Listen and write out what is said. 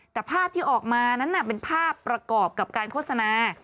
แต่ภาพที่ออกมานั้นเป็นภาพประกอบกับการโฆษณา